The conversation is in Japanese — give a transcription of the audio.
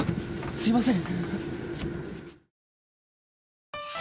すいません。